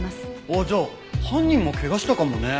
あっじゃあ犯人も怪我したかもね。